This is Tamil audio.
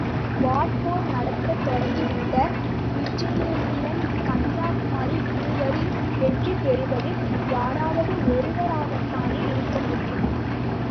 வாட்போர் நடத்தத் தொடங்கிவிட்ட விஜயேந்திரன்–கன்யாகுமரி இருவரில் வெற்றி பெறுவது யாராவது ஒருவராகத்தானே இருக்கமுடியும்?